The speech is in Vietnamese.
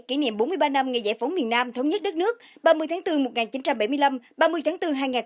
kỷ niệm bốn mươi ba năm ngày giải phóng miền nam thống nhất đất nước ba mươi tháng bốn một nghìn chín trăm bảy mươi năm ba mươi tháng bốn hai nghìn hai mươi